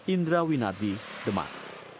indra winardi demak